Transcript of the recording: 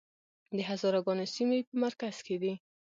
د هزاره ګانو سیمې په مرکز کې دي